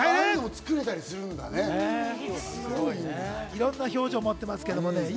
いろんな表情を持ってますけどね。